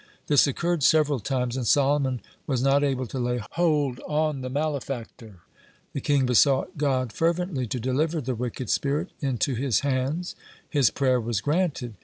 This occurred several times, and Solomon was not able to lay hold on the malefactor. The king besought God fervently to deliver the wicked spirit into his hands. His prayer was granted.